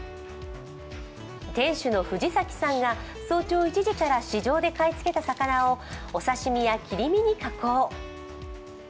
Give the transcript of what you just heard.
店主の藤崎さんが早朝１時から市場で買い付けた魚をお刺身や切り身に加工。